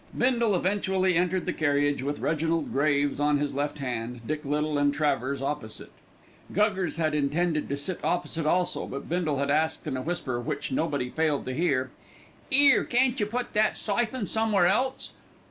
Bindle eventually entered the carriage with Reginald Graves on his left hand, Dick Little and Travers opposite. Guggers had intended to sit opposite also, but Bindle had asked in a whisper which nobody failed to hear: "'Ere, can't yer put that syphon somewhere else?